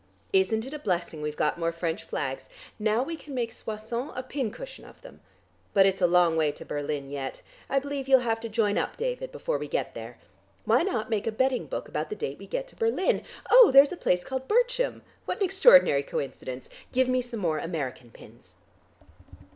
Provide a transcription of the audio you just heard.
Isn't it a blessing we've got more French flags? Now we can make Soissons a pin cushion of them. But it's a long way to Berlin yet. I believe you'll have to join up, David, before we get there. Why not make a betting book about the date we get to Berlin? Oh, there's a place called Burchem; what an extraordinary coincidence. Give me some more American pins."